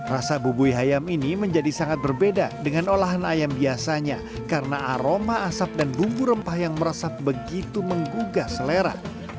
rasa bubui ayam ini menjadi sangat berbeda dengan olahan ayam biasanya karena aroma asap dan bumbu rempah yang meresap begitu menggugah selera